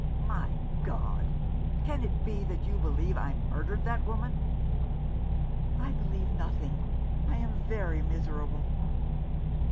" My God ! Can it be that you believe I murdered that woman ?"" I believe nothing. I am very miserable."